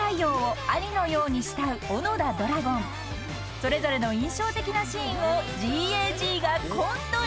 ［それぞれの印象的なシーンをＧＡＧがコントに］